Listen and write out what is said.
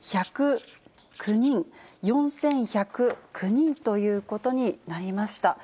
４１０９人、４１０９人ということになりました。